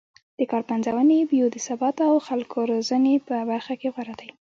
د کار پنځونې، بیو د ثبات او خلکو روزنې په برخه کې غوره دی